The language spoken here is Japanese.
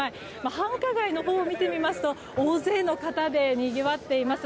繁華街のほうを見てみますと大勢の方でにぎわっています。